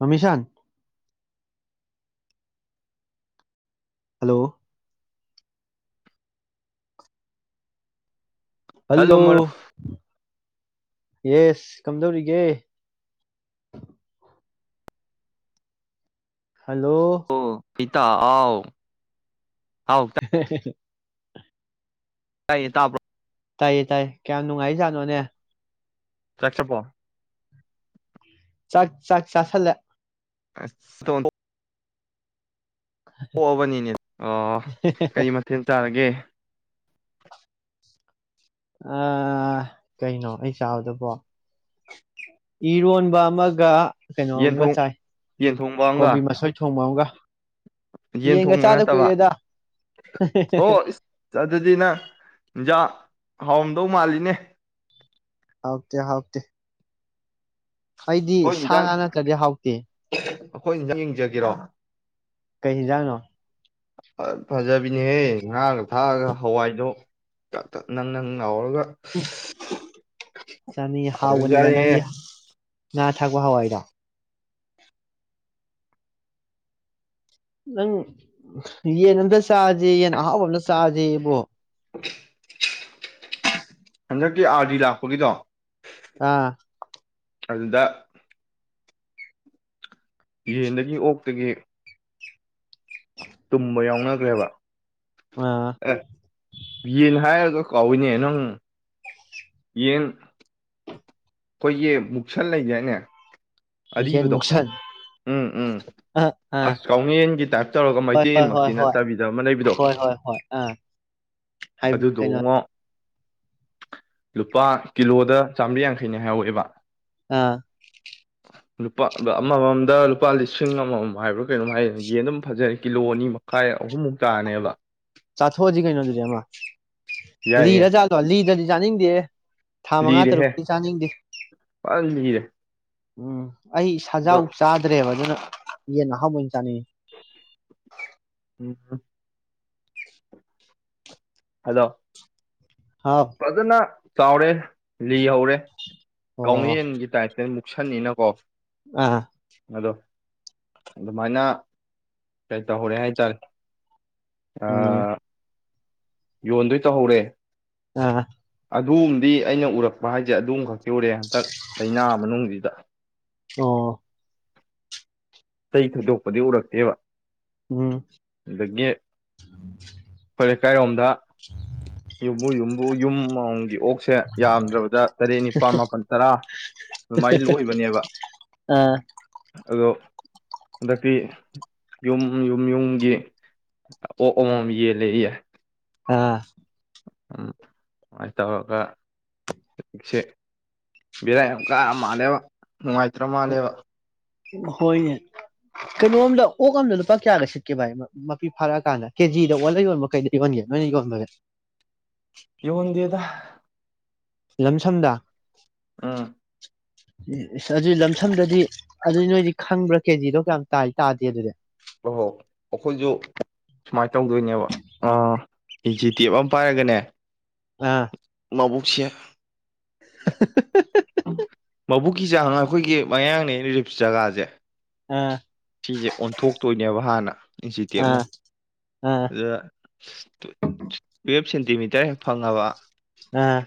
ꯑꯃꯤꯁꯥꯟ hello hello yes ꯀꯝꯗꯧꯔꯤꯒꯦ hello ꯄꯤꯇꯥ ꯑꯥꯎ ꯑꯥꯎ [unintelligible] ꯇꯥꯏꯌꯦ ꯇꯥꯕꯔꫭ ꯇꯥꯏꯌꯦ ꯇꯥꯏꯌꯦ ꯀꯌꯥꯝ ꯅꯨꯡꯉꯥꯏꯖꯥꯠꯅꯣꯅꯦ [unintelligible] ꯆꯥꯛ ꯆꯥꯛ ꯆꯥꯁꯜꯂꯦ ꯑ ꯄꯣꯛꯑꯕꯅꯤꯅꯦ ꯑ ꯀꯩ ꯃꯊꯦꯜ ꯆꯥꯔꯒꯦ ꯑ ꯀꯩꯅꯣ ꯑꯩ ꯆꯥꯕꯗꯕꯣ ꯏꯔꯣꯟꯕ ꯑꯃꯒ ꯀꯩꯅꯣ ꯌꯦꯟ ꯑꯃꯝꯒ ꯊꯣꯡ ꯆꯥꯏ ꯌꯦꯟ ꯊꯣꯡꯕ ꯑꯃꯒ ꯀꯣꯕꯤ ꯃꯁꯣꯏ ꯊꯣꯡꯕ ꯑꯃꯒ [inaudible] ꯌꯦꯟ ꯌꯦꯟꯒ ꯊꯣꯡꯕ ꯆꯥꯗ ꯅꯠꯇꯕ ꯀꯨꯏꯔꯦꯗ ꯑꯣ ꯑꯗꯨꯗꯤ ꯅꯪꯖꯥ ꯍꯥꯎꯔꯝꯗꯧ ꯃꯥꯜꯂꯤꯅꯦ ꯍꯥꯎꯀꯦ ꯍꯥꯎꯛꯇꯦ ꯑꯩꯗꯤ ꯁꯥ ꯏꯟꯖꯥꯡ ꯉꯥ ꯅꯠꯇ꯭ꯔꯗꯤ ꯍꯥꯎꯇꯦ ꯑꯩꯈꯣꯏ ꯏꯪ ꯌꯦꯡꯖꯒꯦꯔꯣ ꯀꯩ ꯍꯤꯟꯖꯥꯡꯅꯣ ꯐꯖꯕꯤꯅꯦꯍꯦ ꯉꯥꯒ ꯊꯥꯛꯑꯒ ꯍꯋꯥꯏꯗꯣ ꯅꯪ ꯅꯪ ꯂꯥꯎꯔꯒ ꯆꯥꯅꯤ ꯍꯥꯎꯒꯅꯤꯗ ꯍꯥꯎꯕꯖꯥꯠꯅꯤꯍꯦ ꯅꯪꯒꯤ ꯉꯥ ꯊꯛꯄ ꯍꯋꯥꯏꯗ ꯅꯪ ꯌꯦꯟ ꯑꯝꯇ ꯆꯥꯁꯦ ꯌꯦꯟ ꯑꯍꯥꯎꯕ ꯑ ꯑꯃꯗ ꯆꯥꯁꯦ ꯏꯕꯣ ꯍꯟꯗꯛꯀꯤ ꯑꯥꯔꯗꯤ ꯂꯥꯛꯄꯒꯤꯗꯣ ꯑꯥ ꯑꯗꯨꯗ ꯌꯦꯟꯗꯒꯤ ꯑꯣꯛꯇꯒꯤ ꯇꯨꯝꯕ ꯌꯥꯎꯅꯈ꯭ꯔꯦꯕ ꯑꯥ ꯌꯦꯅ ꯍꯥꯏꯔꯁꯨ ꯀꯧꯏꯅꯦ ꯅꯪ ꯌꯦꯟ ꯑꯩꯈꯣꯏꯒꯤ ꯃꯨꯛꯁꯟ ꯂꯩꯒꯦꯅꯦ ꯌꯦꯟ ꯑꯔꯤꯕꯗꯣ ꯃꯨꯛꯁꯟ ꯎꯝ ꯎꯝ ꯑ ꯑꯥ ꯑꯁ ꯀꯥꯎꯉꯦꯟꯒꯤ ꯇꯥꯏꯞ ꯇꯧꯔꯒ ꯍꯣꯏ ꯍꯣꯏ ꯍꯣꯏ ꯃꯩꯇꯩꯟꯃꯛꯇꯤ ꯍꯣꯏ ꯅꯠꯇꯕꯤꯗꯕ ꯑꯃ ꯂꯩꯕꯗꯣ ꯍꯣꯏ ꯍꯣꯏ ꯍꯣꯏ ꯑꯥ ꯍꯥꯏ ꯀꯩꯅꯣ ꯑꯗꯨꯗꯉꯣ ꯂꯨꯄꯥ ꯀꯤꯂꯣꯗ ꯆꯥꯃꯔꯤ ꯌꯥꯡ ꯊꯩꯅ ꯍꯥꯎ ꯑꯦꯕ ꯑꯥ ꯂꯨꯄꯥ ꯑꯃꯃꯝꯗ ꯂꯨꯄꯥ ꯂꯤꯁꯤꯡ ꯑꯃꯃꯝ ꯍꯥꯏꯕ꯭ꯔꯥ ꯀꯩꯅꯣꯝ ꯍꯥꯏ ꯌꯦꯟ ꯑꯗꯨꯝ ꯐꯖꯔꯦ ꯀꯤꯂꯣ ꯑꯅꯤ ꯃꯈꯥꯏ ꯑꯍꯨꯝꯃꯨꯛ ꯇꯥꯅꯦꯕ ꯆꯥꯊꯣꯛ ꯍꯧꯖꯤ ꯀꯩ ꯅꯠꯇꯔꯦꯃ ꯂꯤꯔ ꯆꯥ ꯂꯤꯔ ꯅꯤꯡ ꯗꯦ ꯂꯤꯔꯦ ꯐꯖꯅ ꯂꯤꯔꯦ ꯎꯝ ꯑꯩ ꯑꯗꯣ ꯁꯖꯥꯎ ꯆꯥꯗ꯭ꯔꯦꯕ ꯑꯗꯨꯅ ꯌꯦꯟ ꯑꯍꯥꯎꯕ ꯆꯅꯤꯡꯉꯦ ꯎꯝ ꯑꯗꯣ ꯍꯥꯎ ꯐꯖꯅ ꯆꯥꯎꯔꯦ ꯂꯤꯍꯧꯔꯦ ꯀꯧꯅꯌꯦꯟ ꯒꯤ ꯇꯥꯏꯞꯇ ꯁꯟꯅꯤꯅ ꯀꯣ ꯑ ꯑꯗꯨꯃꯥꯏꯅ ꯀꯩ ꯇꯧꯍꯧꯔꯦ ꯍꯥꯏꯇꯥꯔꯦ ꯑ ꯎꯝ ꯌꯣꯟꯗꯣꯏ ꯇꯧꯍꯧꯔꯦ ꯑꯥ ꯑꯗꯨꯝꯗꯤ ꯑꯩꯅ ꯎꯔꯛꯄ ꯍꯥꯏꯁꯦ ꯑꯗꯨꯝ ꯈꯛꯀꯤ ꯎꯔꯦ ꯍꯟꯇꯛ ꯂꯥꯏꯅꯥ ꯃꯅꯨꯡꯁꯤꯗ ꯑꯣ ꯆꯩ ꯊꯣꯏꯗꯣꯛꯄꯗꯤ ꯎꯔꯛꯇꯦꯕ ꯎꯝ ꯑꯗꯒꯤ ꯑꯩꯈꯣꯏ ꯂꯩꯀꯥꯏꯔꯣꯝꯗ ꯌꯨꯝꯕꯨ ꯌꯨꯝꯕꯨ ꯌꯨꯝ ꯑꯃꯝꯃꯝꯒꯤ ꯑꯣꯛꯁꯦ ꯌꯥꯝꯗ꯭ꯔꯕꯗ ꯇꯔꯦꯠ ꯅꯤꯄꯥꯜ ꯃꯥꯄꯜ ꯇꯔꯥ ꯑꯗꯨꯃꯥꯏꯅ ꯂꯣꯏꯕꯅꯦꯕ ꯑꯥ ꯑꯗꯣ ꯍꯟꯗꯛꯇꯤ ꯌꯨꯝ ꯌꯨꯝ ꯌꯨꯝꯒꯤ ꯑꯣꯛ ꯑꯃꯃꯝ ꯌꯦꯜꯂꯦ ꯌꯦ ꯑꯥ ꯎꯝ ꯁꯃꯥꯏꯅ ꯇꯧꯔꯒ ꯆꯁꯦ ꯕꯦꯔ ꯌꯥꯝ ꯀꯥꯔ ꯃꯥꯜꯂꯦꯕ ꯅꯨꯡꯉꯥꯏꯇ꯭ꯔ ꯃꯥꯜꯂꯦꯕ ꯍꯣꯏꯅꯦ ꯀꯩꯅꯣꯝꯗ ꯑꯣꯛ ꯑꯝꯗ ꯂꯨꯄꯥ ꯀꯌꯥꯒ ꯁꯤꯠꯀꯦ ꯚꯥꯏ ꯃꯄꯤ ꯐꯥꯔꯛꯑꯀꯥꯟꯗ ꯀꯦꯖꯤꯗ ꯑꯣꯜꯂꯒ ꯌꯣꯟꯕ ꯀꯩꯗ ꯌꯣꯟꯒꯦ ꯅꯣꯏꯅ ꯌꯣꯟꯕꯒꯦ ꯌꯣꯟꯗꯦꯗ ꯂꯝꯁꯝꯗ ꯑꯥ ꯏꯁ ꯑꯗꯨꯗꯤ ꯂꯝꯁꯝꯗꯗꯤ ꯑꯗꯨꯏ ꯅꯣꯏꯗꯤ ꯈꯪꯕ꯭ꯔꯥ ꯀꯦꯖꯤꯗꯣ ꯀꯌꯥꯝ ꯇꯥ ꯇꯥꯗꯦ ꯑꯗꯨꯗꯤ ꯑꯣꯍꯣ ꯑꯩꯈꯣꯏꯁꯨ ꯁꯨꯃꯥꯏꯅ ꯇꯧꯗꯣꯏꯅꯦꯕ ꯑꯥ ꯏꯤꯖꯤ ꯇꯦꯞ ꯑꯃ ꯄꯥꯏꯔꯒꯅꯦ ꯑꯥ ꯃꯕꯨꯛꯁꯤ [inaudible] ꯐꯧꯕꯨꯛꯀꯤ ꯆꯥꯡ ꯑꯩꯈꯣꯏꯒꯤ ꯃꯌꯥꯡꯂꯦꯟ ꯔꯤꯞꯁ ꯖꯒꯥꯁꯦ ꯑ ꯁꯤꯁꯦ ꯑꯣꯟꯊꯣꯛꯇꯣꯏꯅꯦꯕ ꯍꯥꯟꯅ ꯏꯟꯆꯤꯇꯦꯞꯅ ꯑꯥ ꯑꯥ ꯑꯗꯨꯗ ꯇꯨꯌꯦꯜꯞ ꯁꯦꯟꯇꯤꯃꯤꯇꯔ ꯐꯪꯉꯕ ꯑꯥ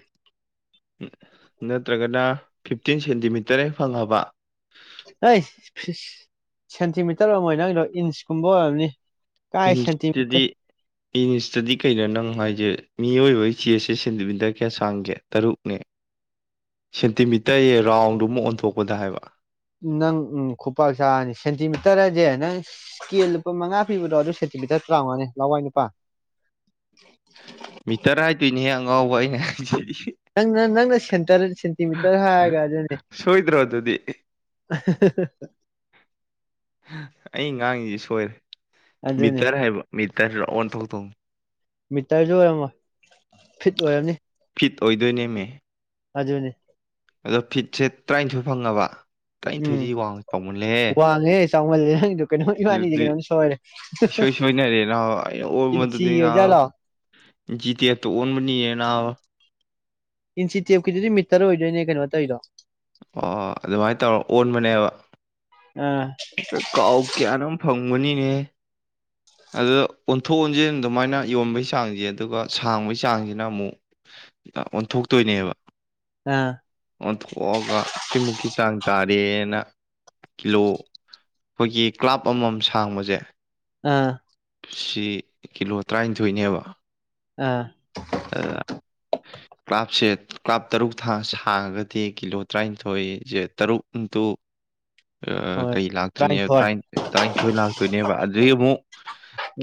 ꯅꯠꯇ꯭ꯔꯒꯅ ꯐꯤꯞꯇꯤꯟ ꯁꯦꯟꯇꯤꯃꯤꯇꯔ ꯍꯦꯛ ꯐꯪꯉꯕ ꯍꯩ ꯁꯦꯟꯇꯤꯃꯤꯇꯔ ꯑꯣꯏꯔꯝ ꯃꯣꯏ ꯅꯪꯗꯣ ꯏꯟꯁꯀꯨꯝꯕ ꯑꯣꯏꯔꯝꯅꯤ ꯀꯥꯏ ꯁꯥꯇꯤ ꯃꯤꯇꯔ ꯏꯅꯤꯁꯇꯗꯤ ꯀꯩꯅꯣ ꯅꯪ ꯍꯥꯏꯁꯦ ꯃꯤꯑꯣꯏꯕꯒꯤ ꯆꯦꯁꯦ ꯁꯦꯟꯇꯤꯃꯤꯇꯔ ꯀꯌꯥ ꯁꯥꯡꯒꯦ ꯇꯔꯨꯛꯅꯦ ꯁꯦꯟꯇꯤꯃꯤꯇꯔꯌꯦ ꯔꯥꯎꯟꯗꯨ ꯑꯃ ꯑꯣꯟꯊꯣꯛꯄꯗ ꯍꯥꯏꯕ꯫ ꯇꯔꯖ‌ꯦꯟ ꯅꯪ ꯏꯁꯀꯦꯜ ꯂꯨꯄꯥ ꯃꯉꯥ ꯄꯤꯕꯗꯣ ꯑꯗꯨ ꯁ‌ꯦꯟꯇꯤꯃꯤꯇꯔ ꯇꯔꯥꯃꯉꯥꯅ‌ꯦ ꯂꯋꯥꯏ ꯅꯨꯄꯥ꯫ ꯃꯤꯇꯔ ꯍꯥꯏꯗꯣꯏꯅꯦꯍꯦ ꯑꯉꯥꯎꯕ ꯑꯩꯅ ꯍꯥꯏꯗꯤ꯫ ꯅꯪꯅ ꯅꯪꯅ ꯁ‌ꯦꯟꯇꯔ ꯁꯦꯟꯇꯤꯃꯤꯇꯔ ꯍꯥꯏꯔꯒ ꯑꯗꯨꯅꯤ꯫ ꯫ ꯁꯣꯏꯗ꯭ꯔꯣ ꯑꯗꯨꯗꯤ ꯑꯩ ꯉꯥꯡꯉꯤꯁꯤ ꯁꯣꯏꯔꯦ꯫ ꯑꯗꯨꯅꯤ ꯃꯤꯇꯔ ꯍꯥꯏꯕ꯫꯫ [unintelligible] ꯃꯤꯇꯔꯁꯨ ꯑꯣꯏꯔꯝꯃꯣꯏ ꯐꯤꯠ ꯑꯣꯏꯔꯝꯅꯤ꯫ ꯐꯤꯠ ꯑꯣꯏꯗꯣꯏꯅꯦꯃꯤ꯫ ꯑꯗꯨꯅꯤ꯫ ꯑꯗꯣ ꯐꯤꯠꯁꯦ ꯇꯔꯥꯅꯤꯊꯣꯏ ꯐꯪꯉꯕ꯫ ꯇꯔꯥꯟꯊꯣꯏꯗꯤ ꯋꯥꯡ ꯄꯥꯎꯃꯜꯂꯦꯍ‌ꯦ꯫ ꯆꯥꯎꯃꯜꯂ‌ꯦꯍꯩꯗꯨ꯫ ꯀꯩꯅꫭ ꯏꯕꯅꯤ ꯀꯩꯅꫭꯝ ꯁꫭꯏꯔꯦ ꯏꯁꯣꯏ ꯁꯣꯏꯅꯔꯦ ꯅꯥꯕ ꯑꯩꯅ ꯏꯟꯆꯤ ꯑꯣꯏꯖꯥꯠꯂꯣ꯫ ꯏꯟꯆꯤꯇ‌ꯦꯞꯇ ꯑꯣꯟꯕꯅꯤꯌꯦ ꯅꯥꯕ꯫ ꯏꯟꯆꯤ ꯇꯦꯞꯀꯤꯗꯨꯗꯤ ꯃꯤꯇꯔ ꯑꯣꯏꯗꯣꯏꯅꯦ ꯀꯩꯅꯣ ꯇꫭꯏꯗꫭ꯫ ꯑꯣ ꯑꯗꯨꯃꯥꯟ ꯇꯧꯔ ꯑꯣꯟꯕꯅꯦꯕ꯫ ꯑꯥ ꯀꯥꯎ ꯀꯌꯥꯅꫭꯝ꯫ ꯐꯪꯕꯅꯤꯅꯦ꯫ ꯑꯗꯨ ꯑꯣꯟꯊꯣꯛ ꯑꯣꯟꯁꯤ ꯑꯗꯨꯃꯥꯏꯅ ꯌꯣꯟꯕꯩ ꯆꯥꯡꯁꯦ ꯑꯗꯨꯒ ꯁꯥꯡꯕꯩ ꯆꯥꯡꯁꯤꯅ ꯑꯃꯨꯛ ꯑꯣꯟꯊꯣꯛꯇꯣꯏꯅꯦꯕ꯫ ꯑꯥ ꯑꯣꯟꯊꯣꯛꯑꯒ ꯇꯤꯃꯨꯛꯀꯤꯆꯥꯡ꯫ ꯀꯥꯔꯤꯅꫭ ꯀꯤꯂꯣ ꯑꯈꯣꯏꯒꯤ ꯀ꯭ꯂꯥꯞ ꯑꯃꯃꯝ ꯁꯥꯡꯕꯁꯦ꯫ ꯑꯥ꯫ ꯁꯤ ꯀꯤꯂꯣ ꯇꯔꯥꯅꯤꯊꯣꯏꯅꯦꯕ꯫ ꯑꯥ꯫ ꯑꯃꯥ ꯀ꯭ꯂꯥꯞꯁꯦ ꯀ꯭ꯂꯥꯞ ꯇꯔꯨꯛ ꯊꯥ ꯁꯥꯡꯉꯒꯗꯤ ꯀꯤꯂꯣ ꯇꯔꯥꯅꯤꯊꯣꯏꯁꯦ ꯇꯔꯨꯛ ꯏꯟꯇꯨ꯫ ꯑꯥ ꯍꯣꯏ ꯀꯩ ꯂꯥꯛꯇꯣꯏꯅ‌ꯦ ꯇꯔꯥꯅꯤꯊꯣꯏ ꯇꯔꯥꯅꯤꯊꯣꯏ ꯂꯥꯛꯇꯣꯏꯅꯦꯕ ꯑꯗꯨꯏ ꯑꯃꯨꯛ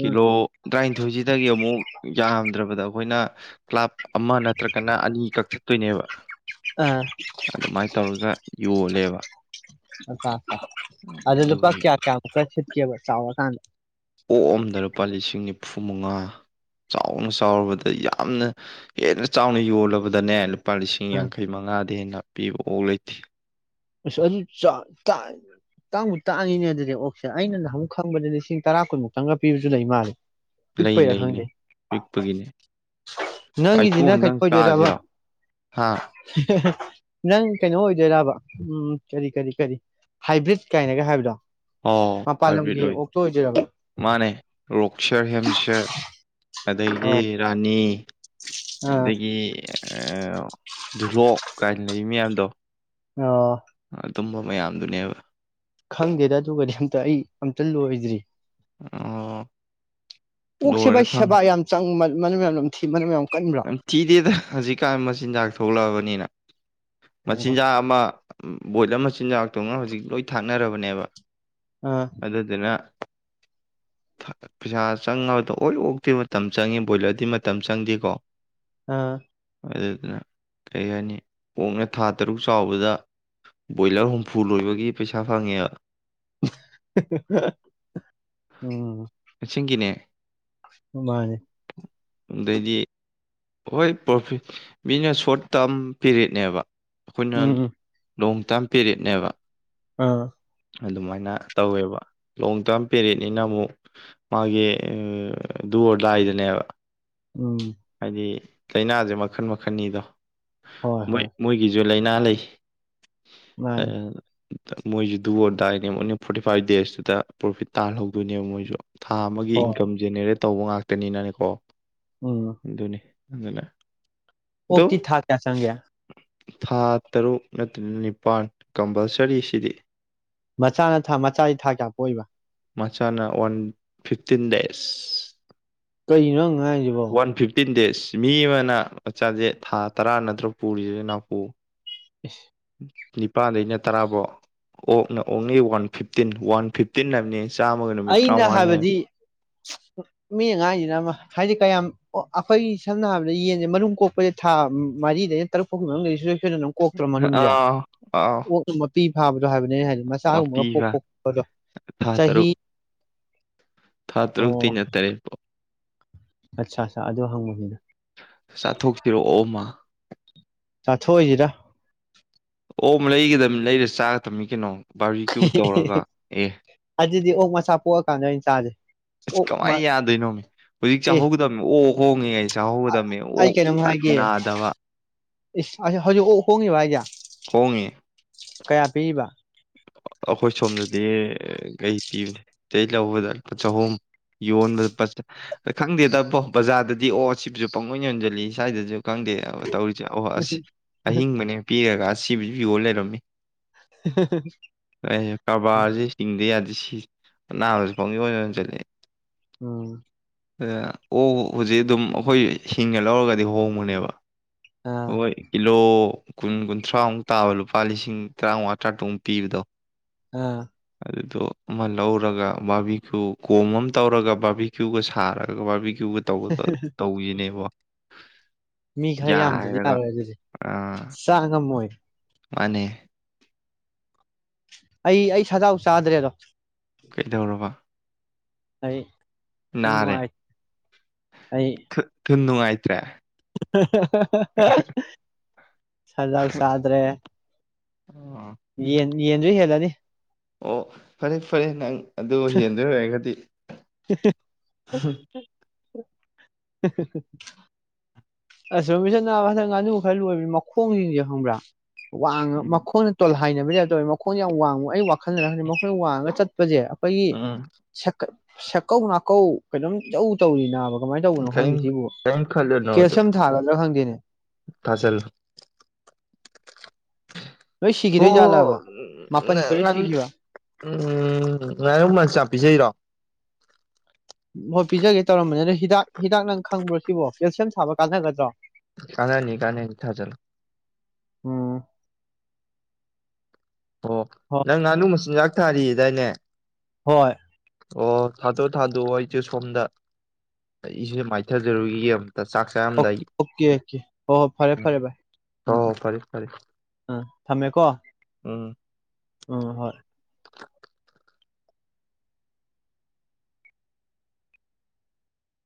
ꯎꯝ ꯇꯔꯥꯏꯟ꯫ ꯏꯊꯣꯏꯁꯤꯗꯒꯤ ꯑꯃꯨꯛ ꯌꯥꯝꯗ꯭ꯔꯕꯗ ꯑꯈꯣꯏꯅ꯫ ꯀ꯭ꯂꯥꯞ ꯑꯃ ꯅꯠꯇ꯭ꯔꯒꯅ ꯑꯅꯤ ꯀꯛ ꯊꯠꯇꯣꯏꯅꯦꯕ꯫ ꯑ ꯌꯣꯜꯂꯦꯕ ꯑꯗꯨ ꯂꯨꯄꯥ ꯑꯗꯨꯒꯤ ꯀ꯭ꯌꯥ ꯀ꯭ꯌꯥ ꯃꯨꯛꯀ ꯁꯤꯠ꯫ ꯀꯦꯕ ꯆꯥꯎꯔꯛꯀꯥꯟꯗ꯫ ꯑꯣꯛꯑꯝꯗ ꯂꯨꯄꯥ ꯂꯤꯁꯤꯡ ꯅꯤꯐꯨꯃꯉꯥ ꯆꯥꯎꯅ ꯆꯥꯎꯔꯕꯗ ꯌꯥꯝꯅ ꯍꯦꯟꯅ ꯆꯥꯎꯅ ꯌꯣꯜꯂꯕꯗꯅꯦ ꯂꯨꯞ꯫ ꯂꯨꯄꯥ ꯂꯤꯁꯤꯡ ꯑꯥ ꯌꯥꯡꯈꯩ ꯃꯉꯥꯗꯩ ꯍꯦꯟꯅ꯫ ꯄꯤꯕ ꯑꯣꯛ ꯂꯩꯇꯦ꯫ ꯑꯁ ꯑꯗꯨꯏ ꯆꯥꯡ ꯇꯥꯏ ꯇꯥꯡꯕꯨ ꯇꯥꯛꯉꯤꯅꯦ ꯑꯗꯨꯗꯤ ꯑꯣꯛ꯫ ꯁ‌ꯦ ꯑꯩꯅ ꯅꯍꯟ ꯃꯨꯛ ꯈꯪꯕꯦꯗꯤ꯫ ꯂꯤꯁꯤꯡ ꯇꯔꯥ ꯀꯨꯟꯃꯨꯛꯇꯪꯒ ꯄꯤꯕꯁꯨ ꯂꯩ ꯃꯥꯜꯂꯤ꯫ ꯂꯩ ꯄꯤꯛꯄꯩꯔ ꯂꯩ ꯈꯪꯗꯦ ꯂꯩ ꯄꯤꯛꯄꯒꯤꯅꯦ ꯄꯥꯏꯊꯣꯛ ꯅꯪꯒꯤꯗꯤꯅ ꯀꯩ ꯑꯝꯇꯪ ꯑꯣꯏꯗꫭꯏꯔꯕ꯫ ꯆꯥꯁꯤꯔꯣ ꯍꯥ ꯅꯪ ꯀꯩꯅꯣ ꯑꯣꯏꯗꯣꯏꯔꯕ ꯎꯝ ꯀꯔꯤ ꯀꯔꯤ ꯀꯔꯤ ꯍꯥꯏꯕ꯭ꯔꯤꯠ ꯀꯥꯏꯅꯒ ꯍꯥꯏꯕꯗꯣ ꯑꯣ ꯃꯄꯥꯟ ꯍꯥꯏꯕꯤ ꯂꯝꯒꯤ ꯂꯣꯏ ꯑꯣꯛꯇꯣ ꯑꯣꯏꯗꯣꯏꯔꯕ ꯃꯥꯅꯦ ꯔꯣꯛꯁꯦꯔ ꯍꯦꯝꯁꯔ ꯑꯗꯒꯤꯗꯤ ꯑꯣ ꯔꯥꯅꯤ ꯑꯥ ꯗꯗꯒꯤ ꯙꯨꯂꯣꯛ ꯀꯥꯏꯅ ꯂꯩ ꯃꯌꯥꯝꯗꯣ ꯑ ꯑꯗꯨꯝꯕ ꯃꯌꯥꯝꯗꯨꯅꯦꯕ ꯈꯪꯗꯦꯗ ꯑꯗꯨꯒꯗꯤ ꯑꯝꯇ ꯑꯩ ꯑꯝꯇ ꯂꯣꯏꯗ꯭ꯔꯤ ꯑꯣ ꯑꯣꯛ ꯁꯕ ꯂꯣꯏꯔ ꯈꯪ ꯁꯦꯕꯥ ꯌꯥꯝ ꯆꯪꯕ ꯃꯌꯥꯝ ꯑꯗꯨꯝ ꯊꯤꯕꯅ ꯃꯌꯥꯝ ꯅ ꯊꯤꯗꯦꯗ ꯍꯧꯖꯤꯛꯀꯥꯟ ꯃꯆꯤꯟꯖꯥꯛ ꯊꯣꯛꯂꯛꯑꯕꯅꯤꯅ ꯑꯣ ꯃꯆꯤꯟꯖꯥꯛ ꯑꯃ ꯕꯣꯏꯂ ꯆꯤꯟꯖꯥꯛꯇꯨꯒ ꯍꯧꯖꯤꯛ ꯂꯣꯏ ꯊꯥꯛꯅꯔꯕꯅꯦꯕ ꯑꯥ ꯑꯗꯨꯗ ꯑꯗꯨꯅ ꯄꯩꯁꯥ ꯆꯪꯉꯕꯗ ꯑꯣ ꯑꯣꯛꯇꯤ ꯃꯇꯝ ꯆꯪꯉꯤ ꯕꯣꯏꯂꯔꯗꯤ ꯃꯇꯝ ꯆꯪꯗꯦꯀꯣ ꯑꯥ ꯑꯗꯨꯗꯨꯅ ꯀꯔꯤ ꯍꯥꯏꯅꯤ ꯑꯣꯛꯅ ꯊꯥ ꯇꯔꯨꯛ ꯆꯥꯎꯕꯗ ꯕꯣꯏꯂꯔ ꯍꯨꯝꯐꯨ ꯂꯣꯏꯕꯒꯤ ꯄꯩꯁꯥ ꯐꯪꯉꯦꯕ ꯎꯝ ꯁꯤꯡꯒꯤꯅꯦ ꯃꯥꯅꯦ ꯑꯗꯩꯗꯤ ꯍꯣꯏ ꯄ꯭ꯔꯣꯐꯤꯠ ꯃꯤꯅ ꯁꯣꯔꯠ ꯇꯥꯔꯝ ꯄꯦꯔꯦꯠꯅꯦꯕ ꯑꯩꯈꯣꯏ ꯅ ꯎꯝ ꯂꯣꯡ ꯇꯥꯔꯝ ꯄꯦꯔꯤꯠꯅꯦꯕ ꯑ ꯑꯗꯨꯃꯥꯏꯅ ꯇꯧꯋꯦꯕ ꯂꯣꯡ ꯇꯔꯝ ꯄꯦꯔꯠꯅꯤꯅ ꯑꯃꯨꯛ ꯃꯥꯒꯤ ꯗꯔꯗꯥꯏꯗꯅꯦꯕ ꯎꯝ ꯍꯥꯏꯗꯤ ꯂꯥꯏꯅꯥꯁꯦ ꯃꯈꯟ ꯃꯈꯟꯅꯤꯗꯣ ꯍꯣꯏ ꯃꯣꯏ ꯍꯣꯏ ꯃꯣꯏ ꯖ ꯂꯥꯏꯅꯥ ꯂꯩ ꯑ ꯃꯥꯅꯤ ꯃꯣꯏꯁꯨ ꯗꯨ ꯑꯣꯗꯥꯏꯅꯦ ꯑꯣꯟꯂꯤ ꯐꯣꯔꯇꯤ ꯐꯥꯏꯚ ꯗꯦꯖꯇꯨꯗ ꯄ꯭ꯔꯣꯐꯤꯠ ꯇꯥꯍꯜꯍꯧꯗꯣꯏꯅꯦꯕ ꯃꯣꯏꯁꯨ ꯊꯥ ꯑꯃꯒꯤ ꯍꯣꯏ ꯏꯟꯀꯝ ꯖꯦꯅꯦꯔꯦꯠ ꯇꯧꯕ ꯉꯥꯛꯇꯅꯤꯅꯅꯦꯀꯣ ꯎꯝ ꯅꯤ ꯃꯖꯂꯦ [unintelligible] [inaudible] ꯑꯣꯛꯇꯤ ꯊꯥ ꯀꯌꯥ ꯆꯪꯒꯦ ꯊꯥ ꯇꯔꯨꯛ ꯅꯠꯇ꯭ꯔꯒ ꯅꯤꯄꯥꯜ ꯀꯝꯄꯜꯁꯔꯤꯁꯤꯗꯤ ꯃꯆꯥꯅ ꯊꯥ ꯃꯆꯥꯗꯤ ꯊꯥ ꯀꯌꯥ ꯄꯣꯛꯏꯕ ꯃꯆꯥꯥꯅ ꯋꯥꯟ ꯐꯤꯐꯇꯤꯟ ꯗꯦꯖ ꯀꯩꯅꯣ ꯉꯥꯡꯁꯤꯕꯣ ꯋꯥꯟ ꯐꯤꯐꯇꯤꯟ ꯗꯦꯖ ꯃꯤ ꯑꯃ ꯅ ꯆꯥꯛꯆꯥꯁꯦ ꯊꯥ ꯇꯔꯥ ꯅꯠꯇ꯭ꯔ ꯅꯥꯎ ꯄꯨꯔꯤꯕ ꯅꯥꯎꯄꯨ [inaudible] ꯅꯤꯄꯥꯜꯗꯩꯅ ꯇꯔꯥꯐꯧ ꯑꯣꯛꯅ ꯑꯣꯡꯂꯤ ꯋꯥꯟ ꯐꯤꯐꯇꯤꯟ ꯋꯥꯟ ꯐꯤꯐꯇꯤꯟ ꯍꯥꯏꯕꯅꯤ ꯆꯥꯝꯃꯒ ꯅꯨꯃꯤꯠ ꯑꯩꯅ ꯇꯔꯥꯃꯉꯥꯅꯤ ꯍꯥꯏꯕꯗꯤ ꯍꯥꯏ ꯃꯤ ꯑꯉꯥꯡꯁꯤꯅ ꯑꯃ ꯍꯥꯏꯗꯤ ꯀꯌꯥꯝ ꯑꯣ ꯑꯩꯈꯣꯏꯒꯤ ꯁꯝꯅ ꯍꯥꯏꯔꯕꯗ ꯌꯦꯟꯁꯦ ꯃꯔꯨꯝ ꯀꯣꯛꯄꯁꯦ ꯊꯥ ꯃꯔꯤꯗꯅ ꯇꯔꯨꯛ ꯐꯥꯎꯒꯤ ꯃꯅꯨꯡꯗꯁꯨ ꯑꯩꯈꯣꯏꯗ ꯑꯗꯨꯝ ꯀꯣꯛꯇ꯭ꯔꯣ ꯃꯔꯨꯝꯁꯦ ꯑꯥ ꯑꯥꯎ ꯀꯣꯛ ꯑꯗꯨ ꯄꯤ ꯍꯥ ꯑ ꯍꯥꯏꯕꯅꯦ ꯍꯥꯏꯗꯤ ꯃꯆꯥꯒꯨꯝꯕ ꯑꯃ ꯃꯄꯤꯕ ꯄꯣꯛꯄꯣꯛꯄꯗꯣ ꯊꯥ ꯇꯔꯨꯛ ꯆꯍꯤ ꯊꯥ ꯑꯣ ꯇꯔꯨꯛꯇꯤ ꯅ ꯇꯔꯦꯠ ꯄꯣ ꯑꯠꯆꯥ ꯑꯠꯆꯥ ꯑꯗꯨ ꯍꯪꯕꯅꯤꯗ ꯆꯥꯊꯣꯛ ꯁꯤꯔꯣ ꯑꯣꯛ ꯑꯝꯥ ꯆꯥꯊꯣꯛꯑꯣꯏꯁꯤꯗ ꯑꯣꯛ ꯂꯩꯒꯗꯕꯅꯤ ꯂꯩꯔ ꯆꯥꯒꯗꯕꯃꯤ ꯀꯩꯅꯣ ꯕꯥꯔꯕꯤꯀ꯭ꯌꯨ ꯇꯧꯔꯒ ꯑꯦ ꯑꯗꯨꯗꯤ ꯑꯣꯛ ꯃꯁꯥ ꯄꯣꯛꯑꯀꯥꯟꯗ ꯑꯩꯅ ꯆꯥꯁꯦ ꯑꯁ ꯑꯣꯛ ꯃ ꯀꯃꯥꯏꯅ ꯌꯥꯗꯣꯏꯅꯣꯅꯦ ꯍꯧꯖꯤꯛ ꯑꯦ ꯆꯥꯍꯧꯒꯗꯕꯅꯤ ꯑꯣ ꯍꯉ ꯌꯥ ꯄꯩꯁꯥꯍꯒꯗꯕꯅꯤ ꯑꯩ ꯑꯣꯛ ꯀꯩꯅꯣꯝ ꯍꯥꯏꯒꯦ ꯅꯥꯗꯕ ꯏꯁ ꯑꯁ ꯍꯧꯖꯤꯛ ꯍꯣꯡꯉꯤꯕ ꯍꯥꯏꯒꯦ ꯍꯣꯡꯉꯤ ꯀꯌꯥ ꯄꯤꯕ ꯑꯩꯈꯣꯏ ꯁꯣꯝꯗꯗꯤ ꯀꯩ ꯄꯤꯕ ꯂꯧꯕꯗ ꯂꯨꯄꯥ ꯆꯍꯨꯝ ꯌꯣꯟꯕ ꯈꯪꯗꯦꯗꯕꯣ ꯕꯖꯥꯔꯗꯗꯤ ꯑꯣ ꯁꯤꯕꯨꯁꯨ ꯄꯪ ꯑꯣꯏꯅ ꯌꯣꯟꯁꯤꯜꯂꯤ ꯁ꯭ꯋꯥꯏꯗꯁꯨ ꯈꯪꯗꯦ ꯇꯧꯔꯤꯁꯦ ꯑꯣꯍ ꯑꯁ ꯑꯍꯤꯡꯕꯅꯦ ꯄꯤꯔꯒ ꯑꯁꯤ ꯚꯣ ꯂꯩꯔꯝꯃꯤ ꯑꯩ ꯀꯕꯥꯔꯁꯦ ꯆꯁꯤꯡꯗ ꯌꯥꯗꯤ ꯑꯅꯥꯕꯁꯨ ꯐꯥꯎꯒꯤ ꯑꯣꯏꯅ ꯆꯠꯂ ꯎꯝ ꯑ ꯑꯣ ꯍꯧꯖꯤꯛ ꯑꯗꯨꯝ ꯑꯩꯈꯣꯏ ꯍꯤꯡꯉꯦ ꯂꯧꯔꯒꯗꯤ ꯍꯣꯡꯕꯨꯅꯦꯕ ꯑꯥ ꯍꯣꯏ ꯀꯤꯂꯣ ꯀꯨꯟ ꯀꯨꯟꯊ꯭ꯔꯥꯃꯨꯛ ꯇꯥꯕ ꯂꯨꯄꯥ ꯂꯤꯁꯤꯡ ꯇꯔꯥꯃꯉꯥ ꯇꯔꯥꯇꯨꯃꯨꯛ ꯄꯤꯕꯗꯣ ꯑꯥ ꯑꯗꯨꯗꯣ ꯑꯃ ꯂꯧꯔꯒ ꯕꯥꯥꯕꯤꯈ ꯀꯣꯝ ꯑꯃ ꯇꯧꯔꯒ ꯕꯥꯥꯕꯤꯈꯌꯨꯒ ꯁꯥꯔꯒ ꯕꯥꯕꯤ ꯀꯨꯕ ꯇꯧꯕ ꯇꯧꯁꯤꯅꯦꯕ ꯃꯤ ꯈꯔ ꯌꯥꯝꯗꯗꯤ ꯌꯥꯔꯣꯏꯕꯁꯤ ꯑꯥ ꯆꯥꯅꯦꯅꯣ ꯃꯣꯏ ꯃꯥꯅꯦ ꯑꯩ ꯑꯩ ꯁꯥꯖꯥꯎ ꯆꯥꯗ꯭ꯔꯦꯗ ꯀꯩꯗꯧꯔꯕ ꯑꯩ ꯁꯨꯝ ꯅꯥꯔꯦ ꯅꯨꯡꯉꯥꯏ ꯑꯩ ꯁꯨꯝ ꯅꯨꯡꯉꯥꯏꯇ꯭ꯔꯦ ꯍꯍꯍ ꯍꯍꯍ ꯁꯖꯥꯎ ꯁꯥꯗ꯭ꯔꯦ ꯑꯣ ꯌꯦꯟ ꯌꯦꯟꯁꯨ ꯍꯦꯜꯂꯅꯤ ꯑꯣ ꯐꯔꯦ ꯐꯔꯦ ꯅꯪ ꯑꯗꯨ ꯍꯦꯟꯗꯣꯏ ꯑꯣꯏꯔꯒꯗꯤ ꯍꯍꯍ ꯑꯁ ꯔꯣꯕꯤꯟꯁꯟ ꯅꯥꯕ ꯍꯟꯗꯛ ꯉꯥꯅꯨ ꯈꯔ ꯂꯣꯏꯕꯅꯤ ꯃꯈꯣꯡꯖꯤꯡꯖꯦ ꯈꯪꯕ꯭ꯔꯥ ꯋꯥꯡꯉ ꯎꯝ ꯃꯈꯣꯡꯅ ꯇꯣꯜꯍ ꯍꯥꯏꯅꯕꯩ ꯇꯥꯏꯞ ꯇꯧꯋꯦ ꯃꯈꯣꯟꯁꯦ ꯌꯥꯝ ꯋꯥꯡꯉꯨ ꯑꯩ ꯋꯥꯈꯜꯅꯔ ꯈꯪꯗꯦ ꯃꯈꯣꯡꯅ ꯋꯥꯡꯒ ꯆꯠꯄꯁꯦ ꯑꯈꯣꯏꯒꯤ ꯎꯝ ꯁꯦꯛꯀ ꯁꯛꯀꯧ ꯅꯥꯀꯧ ꯀꯩꯅꯣꯝ ꯏꯇꯧ ꯇꯧꯔꯤ ꯅꯥꯕ ꯀꯃꯥꯏ ꯇꯧꯕꯅꯣ ꯀꯔꯤꯝ ꯈꯪꯗꯦ ꯁꯤꯕꯨ ꯀꯔꯤꯝ ꯈꯜꯂꯨꯅꯣ ꯀꯦꯁ ꯑꯗꯨ ꯁꯝ ꯊꯥꯔꯗ꯭ꯔ ꯈꯪꯗꯦꯅꯦ꯫ ꯊꯥꯖꯜꯂꯣ ꯂꯣꯏ ꯍꯣ ꯁꯤꯈꯤꯗꯣꯏ ꯎꯝ ꯖꯥꯠꯂꯕ ꯃꯥꯄꯟ ꯂꯣꯏ ꯁꯤꯈꯤꯕ [inaudible] ꯉꯥꯅꯨ ꯃꯆꯥ ꯄꯤꯖꯩꯔꯣ ꯍꯣꯏ ꯄꯤꯖꯒꯦ ꯇꯧꯔꯝꯕꯅꯦ ꯑꯗꯣ ꯍꯤꯗꯥꯛ ꯍꯤꯗꯥꯛ ꯅꯪ ꯈꯪꯕ꯭ꯔꯣ ꯁꯤꯕꯣ ꯀꯦꯜꯁꯤꯌꯝ ꯁꯥꯕ ꯀꯥꯟꯅꯒꯗ꯭ꯔꯣ? ꯀꯥꯟꯅꯅꯤ ꯀꯥꯟꯅꯅꯤ ꯊꯥꯖꯜꯂꯨ ꯑꯣ꯫ ꯑꯣ ꯅꯪ ꯉꯥꯅꯨ ꯃꯆꯤꯟꯖꯥꯛ ꯅꯥꯔꯤꯗꯥꯏꯅꯦ? ꯍꯣꯏ ꯑꯣ ꯊꯥꯗꯣꯛꯑꯣ ꯊꯥꯗꯣꯛꯑꯣ ꯑꯩꯁꯨ ꯁꯣꯝꯗ ꯑꯩꯁꯨ ꯏꯔꯨ ꯃꯥꯏꯊꯖꯔꯨꯈꯤꯒꯦ ꯆꯥꯛ ꯑꯣ ꯆꯥꯔꯝꯗꯥꯏꯒꯤ ꯑꯣꯀꯦ ꯑꯣꯀꯦ ꯍꯣ ꯍꯣꯏ ꯐꯔꯦ ꯎꯝ ꯐꯔꯦ ꯚꯥꯏ ꯎꯝ ꯍꯣꯏ ꯍꯣꯏ ꯎꯝ ꯐꯔꯦ ꯐꯔꯦ ꯎꯝ ꯊꯝꯃꯦꯀꯣ꯫ ꯎꯝ ꯑꯝ ꯍꯣꯏ